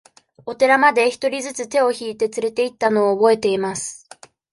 お寺まで、一人ずつ手を引いて連れて行ったのを覚えています。